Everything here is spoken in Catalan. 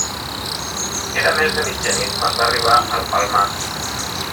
Era més de mitjanit quan va arribar al Palmar.